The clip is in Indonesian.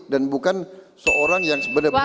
dan bukan seorang yang sebenarnya terpengaruh